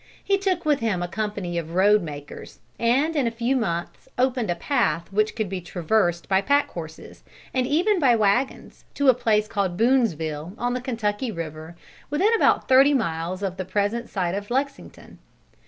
He took with him a company of road makers, and in a few months opened a path which could be traversed by pack horses, and even by wagons to a place called Boonesville on the Kentucky river, within about thirty miles of the present site of Lexington.